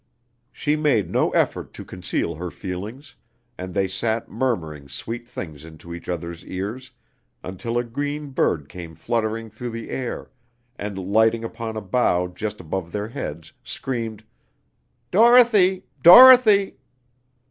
She made no effort to conceal her feelings, and they sat murmuring sweet things into each other's ears until a green bird came fluttering through the air, and lighting upon a bough just above their heads, screamed: "Dorothy! Dorothy!"